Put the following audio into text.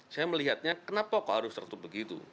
saya melihatnya kenapa kok harus tertutup begitu